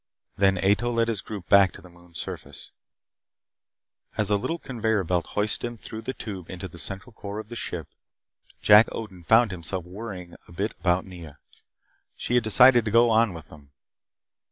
Then Ato led his group back to the moon's surface. As a little conveyor belt hoisted him through the tube into the central core of the ship, Jack Odin found himself worrying a bit about Nea. She had decided to go on with them.